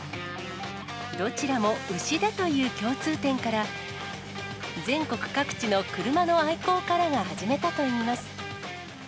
どちらも牛だという共通点から、全国各地の車の愛好家らが始めたといいます。